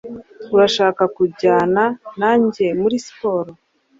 Urashaka kujyana nanjye muri siporo?